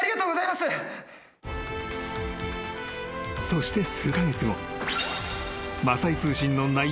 ☎［そして数カ月後］